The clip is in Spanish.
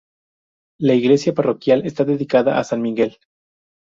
La iglesia parroquial está dedicada a san Miguel.